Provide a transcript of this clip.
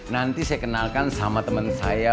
nanti saya kenalkan sama teman saya